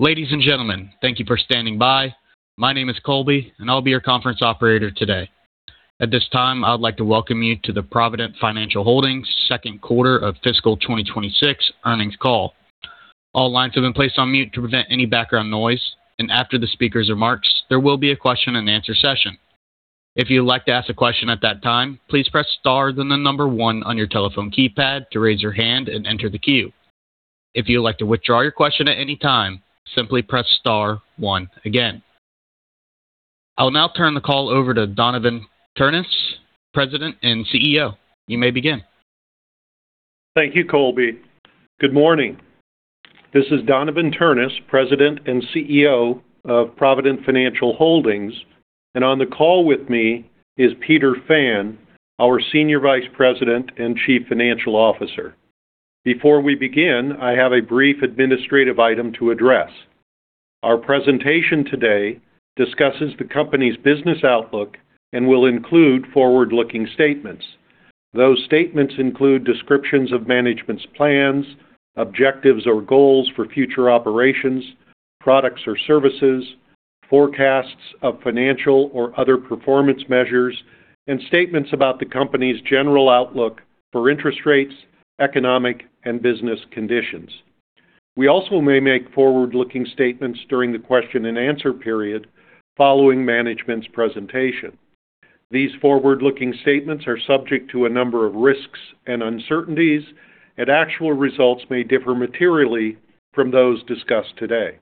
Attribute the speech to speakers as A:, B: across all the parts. A: Ladies and gentlemen, thank you for standing by. My name is Colby, and I'll be your conference operator today. At this time, I would like to welcome you to the Provident Financial Holdings second quarter of fiscal 2026 earnings call. All lines have been placed on mute to prevent any background noise, and after the speaker's remarks, there will be a question-and-answer session. If you'd like to ask a question at that time, please press star, then the number one on your telephone keypad to raise your hand and enter the queue. If you'd like to withdraw your question at any time, simply press star one again. I'll now turn the call over to Donavon Ternes, President and CEO. You may begin.
B: Thank you, Colby. Good morning. This is Donavon Ternes, President and CEO of Provident Financial Holdings, and on the call with me is Peter Fan, our Senior Vice President and Chief Financial Officer. Before we begin, I have a brief administrative item to address. Our presentation today discusses the company's business outlook and will include forward-looking statements. Those statements include descriptions of management's plans, objectives, or goals for future operations, products or services, forecasts of financial or other performance measures, and statements about the company's general outlook for interest rates, economic, and business conditions. We also may make forward-looking statements during the question-and-answer period following management's presentation. These forward-looking statements are subject to a number of risks and uncertainties, and actual results may differ materially from those discussed today.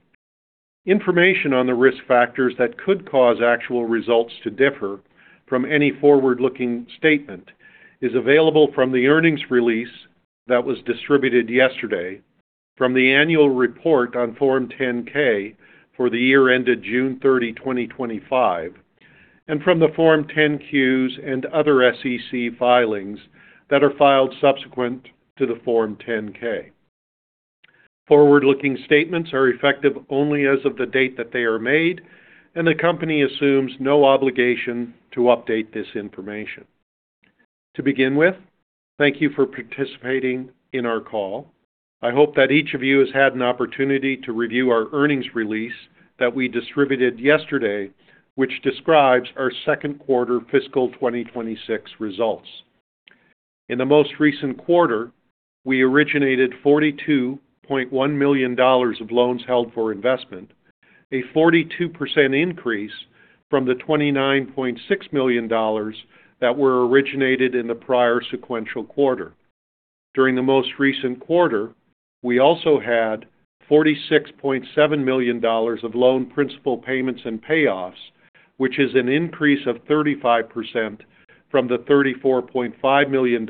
B: Information on the risk factors that could cause actual results to differ from any forward-looking statement is available from the earnings release that was distributed yesterday, from the annual report on Form 10-K for the year ended June 30, 2025, and from the Form 10-Qs and other SEC filings that are filed subsequent to the Form 10-K. Forward-looking statements are effective only as of the date that they are made, and the company assumes no obligation to update this information. To begin with, thank you for participating in our call. I hope that each of you has had an opportunity to review our earnings release that we distributed yesterday, which describes our second quarter fiscal 2026 results. In the most recent quarter, we originated $42.1 million of loans held for investment, a 42% increase from the $29.6 million that were originated in the prior sequential quarter. During the most recent quarter, we also had $46.7 million of loan principal payments and payoffs, which is an increase of 35% from the $34.5 million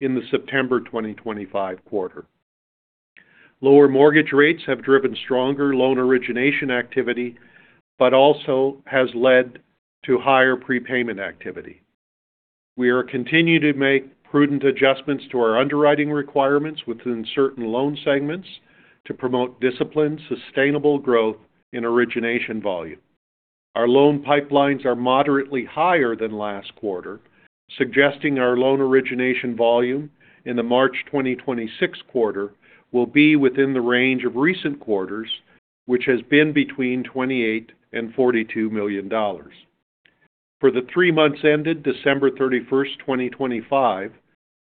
B: in the September 2025 quarter. Lower mortgage rates have driven stronger loan origination activity, but also has led to higher prepayment activity. We are continuing to make prudent adjustments to our underwriting requirements within certain loan segments to promote disciplined, sustainable growth in origination volume. Our loan pipelines are moderately higher than last quarter, suggesting our loan origination volume in the March 2026 quarter will be within the range of recent quarters, which has been between $28 million and $42 million. For the three months ended December 31st, 2025,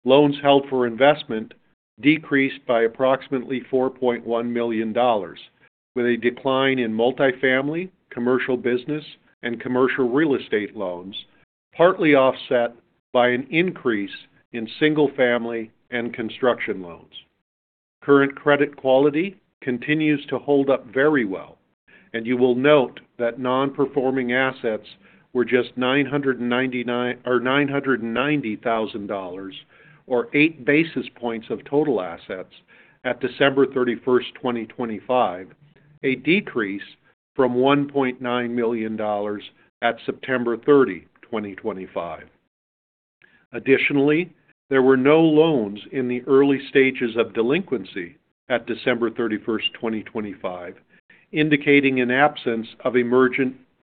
B: loans held for investment decreased by approximately $4.1 million, with a decline in multifamily, commercial business, and commercial real estate loans, partly offset by an increase in single-family and construction loans. Current credit quality continues to hold up very well, and you will note that non-performing assets were just $999,000—or $990,000, or 8 basis points of total assets at December 31st, 2025, a decrease from $1.9 million at September 30, 2025. Additionally, there were no loans in the early stages of delinquency at December 31, 2025, indicating an absence of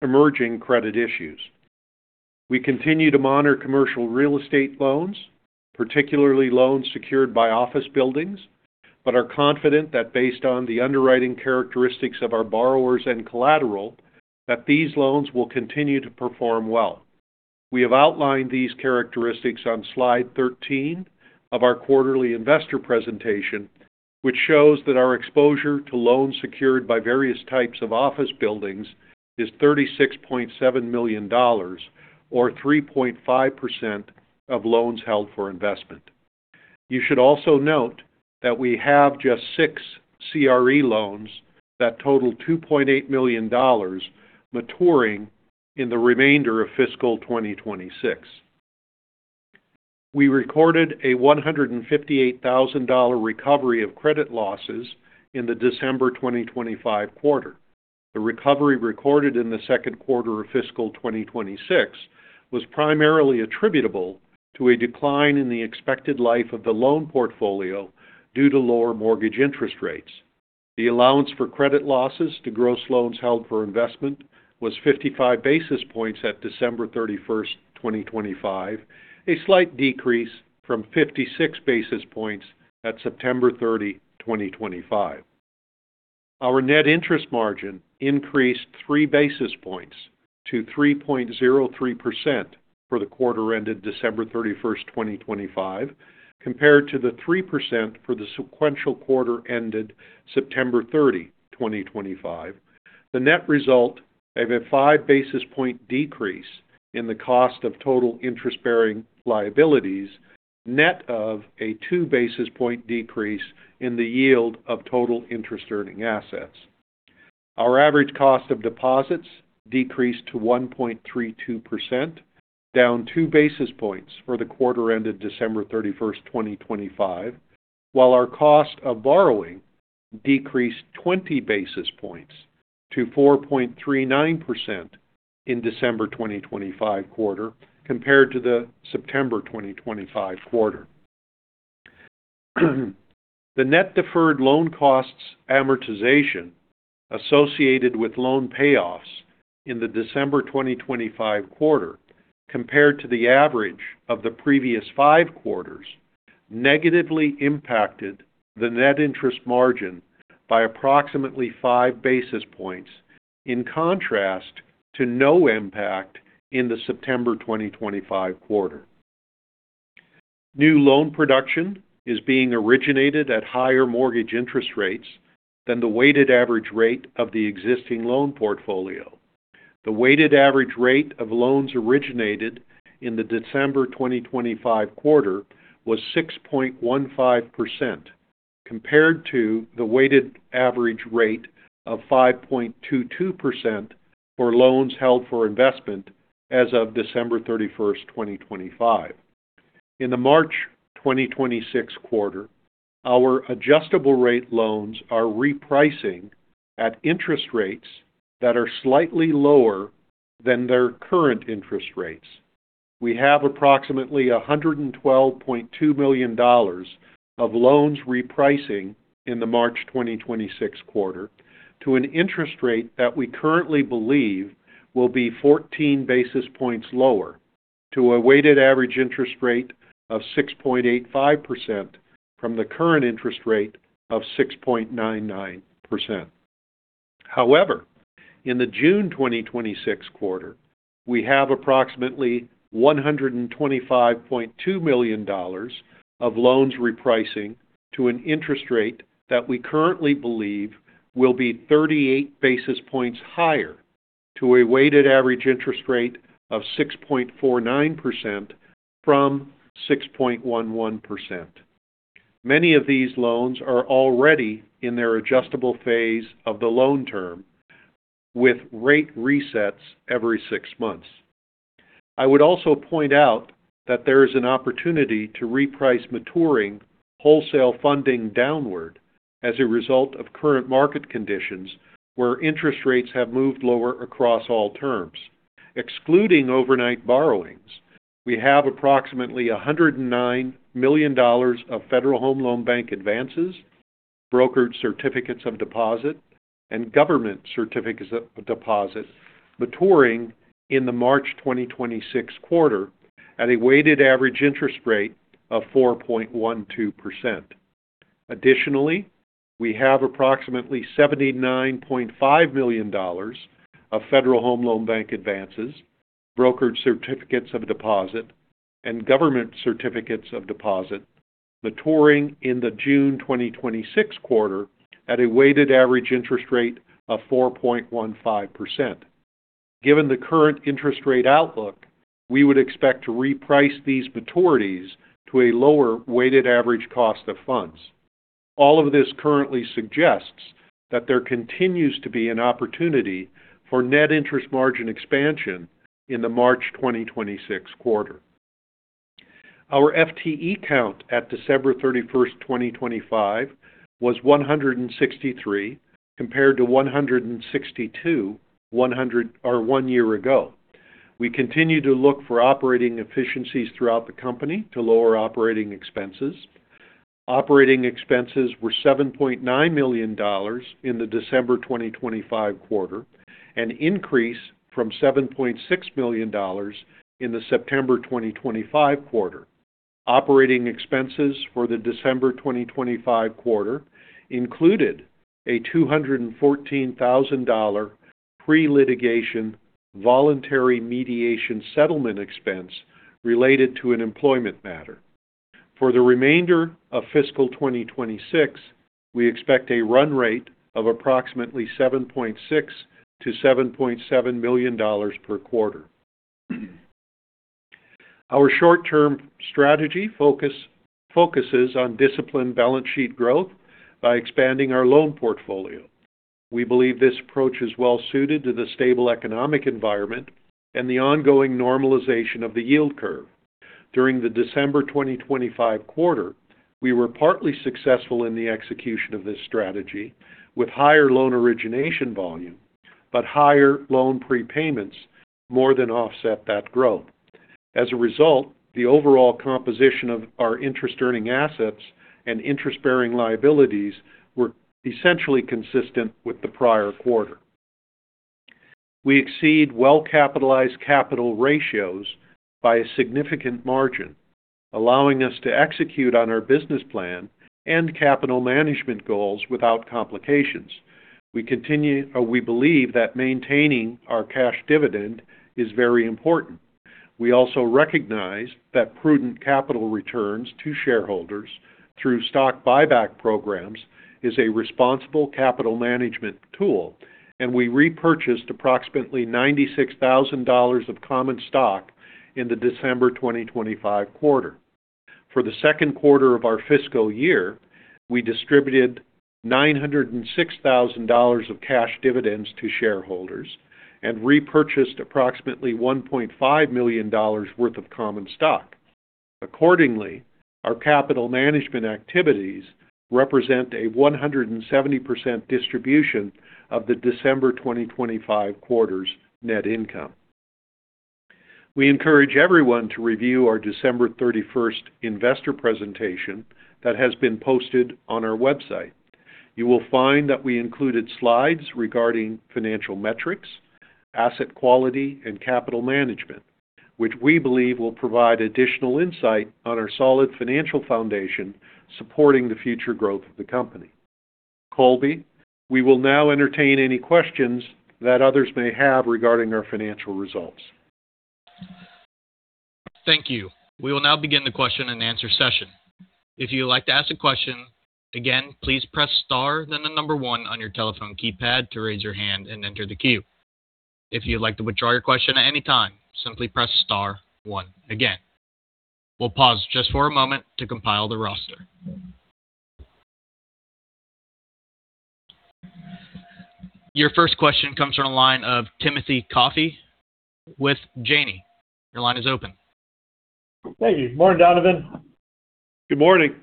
B: emerging credit issues. We continue to monitor commercial real estate loans, particularly loans secured by office buildings, but are confident that based on the underwriting characteristics of our borrowers and collateral, that these loans will continue to perform well. We have outlined these characteristics on slide 13 of our quarterly investor presentation, which shows that our exposure to loans secured by various types of office buildings is $36.7 million or 3.5% of loans held for investment. You should also note that we have just six CRE loans that total $2.8 million maturing in the remainder of fiscal 2026. We recorded a $158,000 recovery of credit losses in the December 2025 quarter. The recovery recorded in the second quarter of fiscal 2026 was primarily attributable to a decline in the expected life of the loan portfolio due to lower mortgage interest rates. The allowance for credit losses to gross loans held for investment was 55 basis points at December 31st, 2025, a slight decrease from 56 basis points at September 30, 2025.... Our net interest margin increased 3 basis points to 3.03% for the quarter ended December 31st, 2025, compared to the 3% for the sequential quarter ended September 30, 2025. The net result of a 5 basis point decrease in the cost of total interest-bearing liabilities, net of a 2 basis point decrease in the yield of total interest-earning assets. Our average cost of deposits decreased to 1.32%, down 2 basis points for the quarter ended December 31, 2025, while our cost of borrowing decreased 20 basis points to 4.39% in December 2025 quarter compared to the September 2025 quarter. The net deferred loan costs amortization associated with loan payoffs in the December 2025 quarter, compared to the average of the previous five quarters, negatively impacted the net interest margin by approximately 5 basis points, in contrast to no impact in the September 2025 quarter. New loan production is being originated at higher mortgage interest rates than the weighted average rate of the existing loan portfolio. The weighted average rate of loans originated in the December 2025 quarter was 6.15%, compared to the weighted average rate of 5.22% for loans held for investment as of December 31, 2025. In the March 2026 quarter, our adjustable rate loans are repricing at interest rates that are slightly lower than their current interest rates. We have approximately $112.2 million of loans repricing in the March 2026 quarter to an interest rate that we currently believe will be 14 basis points lower, to a weighted average interest rate of 6.85% from the current interest rate of 6.99%. However, in the June 2026 quarter, we have approximately $125.2 million of loans repricing to an interest rate that we currently believe will be 38 basis points higher to a weighted average interest rate of 6.49% from 6.11%. Many of these loans are already in their adjustable phase of the loan term, with rate resets every six months. I would also point out that there is an opportunity to reprice maturing wholesale funding downward as a result of current market conditions, where interest rates have moved lower across all terms. Excluding overnight borrowings, we have approximately $109 million of Federal Home Loan Bank advances, brokered certificates of deposit, and government certificates of deposit maturing in the March 2026 quarter at a weighted average interest rate of 4.12%. Additionally, we have approximately $79.5 million of Federal Home Loan Bank advances, brokered certificates of deposit, and government certificates of deposit maturing in the June 2026 quarter at a weighted average interest rate of 4.15%. Given the current interest rate outlook, we would expect to reprice these maturities to a lower weighted average cost of funds. All of this currently suggests that there continues to be an opportunity for net interest margin expansion in the March 2026 quarter. Our FTE count at December 31, 2025, was 163, compared to 162 one year ago. We continue to look for operating efficiencies throughout the company to lower operating expenses. Operating expenses were $7.9 million in the December 2025 quarter, an increase from $7.6 million in the September 2025 quarter. Operating expenses for the December 2025 quarter included a $214,000 pre-litigation, voluntary mediation settlement expense related to an employment matter. For the remainder of fiscal 2026, we expect a run rate of approximately $7.6 million-$7.7 million per quarter. Our short-term strategy focuses on disciplined balance sheet growth by expanding our loan portfolio. We believe this approach is well suited to the stable economic environment and the ongoing normalization of the yield curve. During the December 2025 quarter, we were partly successful in the execution of this strategy with higher loan origination volume, but higher loan prepayments more than offset that growth. As a result, the overall composition of our interest earning assets and interest-bearing liabilities were essentially consistent with the prior quarter. We exceed well-capitalized capital ratios by a significant margin, allowing us to execute on our business plan and capital management goals without complications. We believe that maintaining our cash dividend is very important. We also recognize that prudent capital returns to shareholders through stock buyback programs is a responsible capital management tool, and we repurchased approximately $96,000 of common stock in the December 2025 quarter. For the second quarter of our fiscal year, we distributed $906,000 of cash dividends to shareholders and repurchased approximately $1.5 million worth of common stock. Accordingly, our capital management activities represent a 170% distribution of the December 2025 quarter's net income. We encourage everyone to review our December 31 investor presentation that has been posted on our website. You will find that we included slides regarding financial metrics, asset quality, and capital management, which we believe will provide additional insight on our solid financial foundation supporting the future growth of the company. Colby, we will now entertain any questions that others may have regarding our financial results.
A: Thank you. We will now begin the question-and-answer session. If you would like to ask a question, again, please press star, then the number one on your telephone keypad to raise your hand and enter the queue. If you'd like to withdraw your question at any time, simply press star one again. We'll pause just for a moment to compile the roster. Your first question comes from the line of Timothy Coffey with Janney. Your line is open.
C: Thank you. Morning, Donavon.
B: Good morning.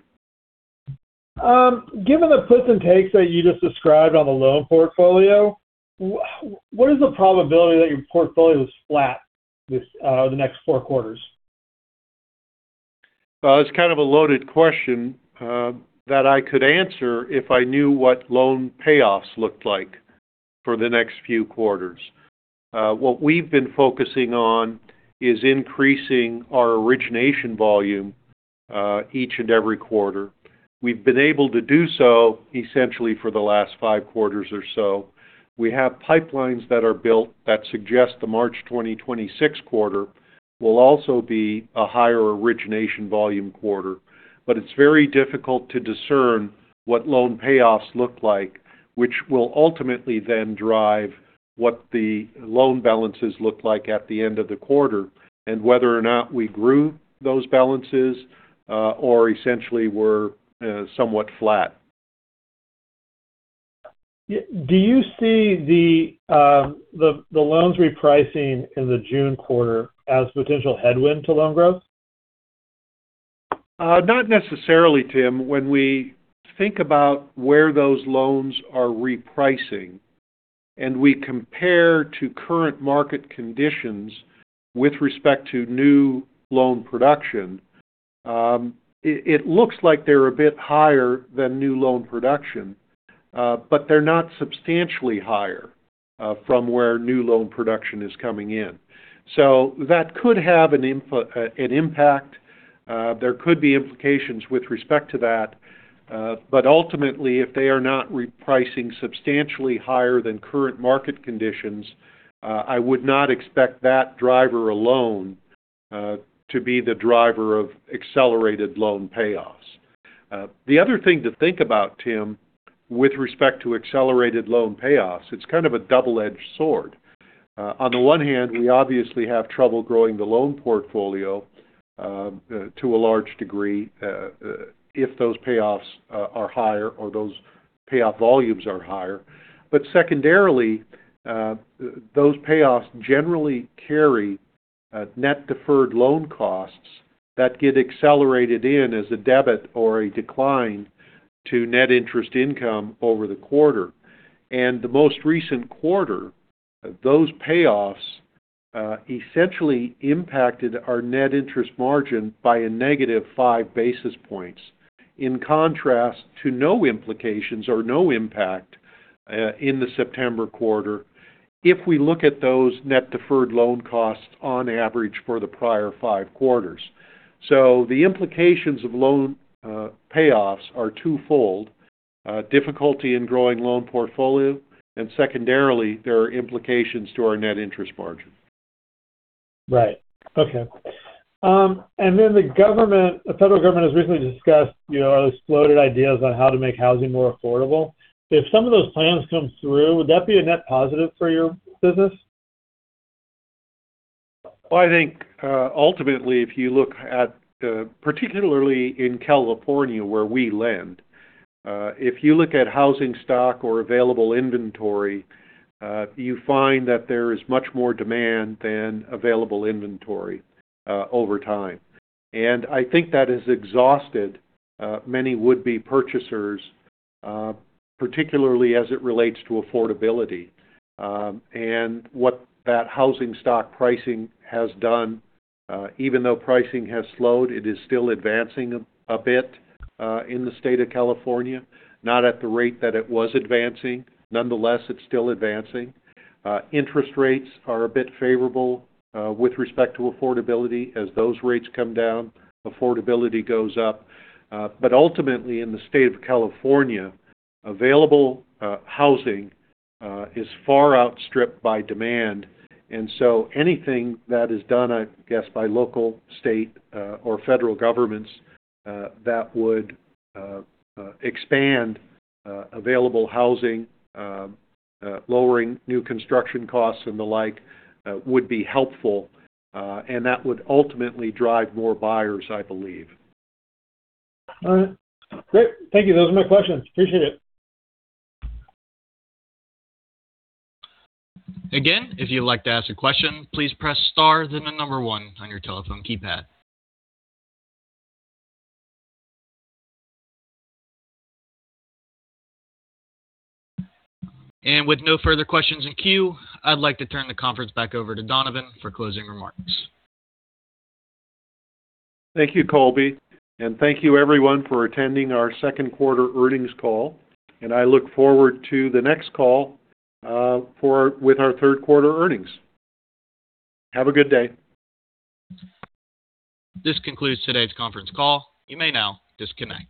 C: Given the puts and takes that you just described on the loan portfolio, what is the probability that your portfolio is flat this, the next four quarters?
B: Well, it's kind of a loaded question, that I could answer if I knew what loan payoffs looked like for the next few quarters. What we've been focusing on is increasing our origination volume, each and every quarter. We've been able to do so essentially for the last five quarters or so. We have pipelines that are built that suggest the March 2026 quarter will also be a higher origination volume quarter. But it's very difficult to discern what loan payoffs look like, which will ultimately then drive what the loan balances look like at the end of the quarter, and whether or not we grew those balances, or essentially were, somewhat flat.
C: Yeah. Do you see the loans repricing in the June quarter as a potential headwind to loan growth?
B: Not necessarily, Tim. When we think about where those loans are repricing, and we compare to current market conditions with respect to new loan production, it looks like they're a bit higher than new loan production, but they're not substantially higher from where new loan production is coming in. So that could have an impact. There could be implications with respect to that, but ultimately, if they are not repricing substantially higher than current market conditions, I would not expect that driver alone to be the driver of accelerated loan payoffs. The other thing to think about, Tim, with respect to accelerated loan payoffs, it's kind of a double-edged sword. On the one hand, we obviously have trouble growing the loan portfolio, to a large degree, if those payoffs are higher or those payoff volumes are higher. But secondarily, those payoffs generally carry net deferred loan costs that get accelerated in as a debit or a decline to net interest income over the quarter. And the most recent quarter, those payoffs essentially impacted our net interest margin by -5 basis points, in contrast to no implications or no impact in the September quarter, if we look at those net deferred loan costs on average for the prior 5 quarters. So the implications of loan payoffs are twofold: difficulty in growing loan portfolio, and secondarily, there are implications to our net interest margin.
C: Right. Okay. And then the government, the federal government has recently discussed, you know, those floated ideas on how to make housing more affordable. If some of those plans come through, would that be a net positive for your business?
B: Well, I think, ultimately, if you look at, particularly in California, where we lend, if you look at housing stock or available inventory, you find that there is much more demand than available inventory, over time. I think that has exhausted, many would-be purchasers, particularly as it relates to affordability. And what that housing stock pricing has done, even though pricing has slowed, it is still advancing a bit, in the state of California. Not at the rate that it was advancing. Nonetheless, it's still advancing. Interest rates are a bit favorable, with respect to affordability. As those rates come down, affordability goes up. But ultimately, in the state of California, available housing is far outstripped by demand, and so anything that is done, I guess, by local, state, or federal governments that would expand available housing, lowering new construction costs and the like, would be helpful, and that would ultimately drive more buyers, I believe.
C: All right. Great. Thank you. Those are my questions. Appreciate it.
A: Again, if you'd like to ask a question, please press star, then the number one on your telephone keypad. With no further questions in queue, I'd like to turn the conference back over to Donavon for closing remarks.
B: Thank you, Colby, and thank you everyone for attending our second quarter earnings call, and I look forward to the next call, with our third quarter earnings. Have a good day.
A: This concludes today's conference call. You may now disconnect.